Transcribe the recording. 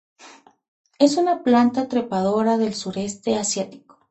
Es una planta trepadora del Sudeste Asiático.